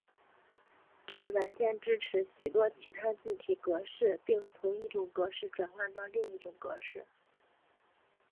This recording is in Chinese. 这软件支持许多其他字体格式并从一种格式转换到另一种格式。